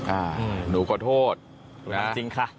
อ่าหนูขอโทษจริงค่ะ